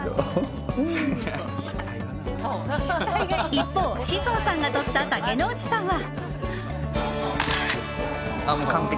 一方、志尊さんが撮った竹野内さんは。